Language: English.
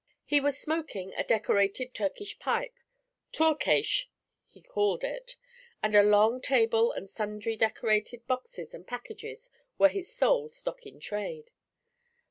He was smoking a decorated Turkish pipe 'Toor kaish,' he called it and a low table and sundry decorated boxes and packages were his sole stock in trade.